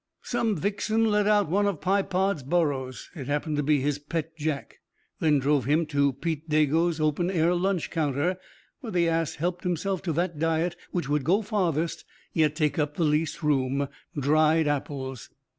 Some vixen let out one of Pye Pod's burros it happened to be his pet jack then drove him to Pete Dago's open air lunch counter, where the ass helped himself to that diet which would go farthest, yet take up the least room dried apples.